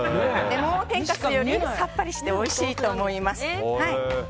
天かすよりさっぱりしておいしいと思います。